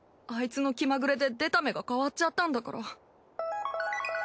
あいつの気まぐれで出た目が変わっちゃったんだから。